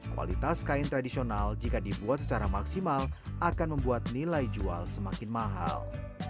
kualitas kain tradisional jika dibuat secara maksimal akan membuat nilai jual semakin mahal